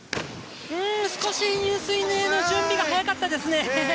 少し入水への準備が早かったですね。